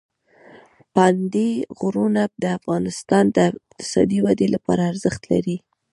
پابندي غرونه د افغانستان د اقتصادي ودې لپاره ارزښت لري.